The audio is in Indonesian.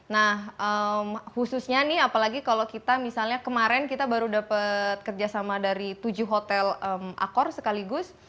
nah khususnya nih apalagi kalau kita misalnya kemarin kita baru dapat kerjasama dari tujuh hotel akor sekaligus